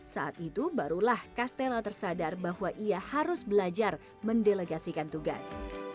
saat itu barulah castella tersadar bahwa ia harus belajar mendelegasikan tugas